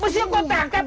musuh kau tangkap